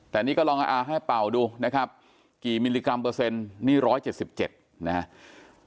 แต่นี่ก็ลองให้เป่าดูนะครับกี่มิลลิกรัมเปอร์เซ็นต์นี่๑๗๗นะครับ